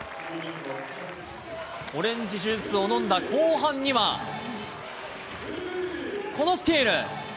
オレンジジュースを飲んだ後半にはこのスティール。